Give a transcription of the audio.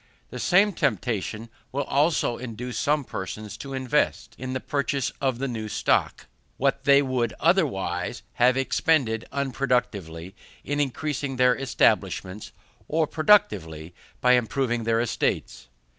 The same temptation will also induce some persons to invest, in the purchase of the new stock, what they would otherwise have expended unproductively in increasing their establishments, or productively, in improving their estates.